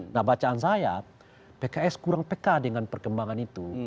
nah bacaan saya pks kurang peka dengan perkembangan itu